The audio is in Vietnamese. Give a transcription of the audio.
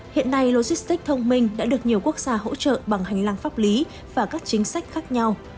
hiện nay logistics thông minh đã được nhiều quốc gia hỗ trợ bằng hành lang pháp lý và các chính sách khác nhau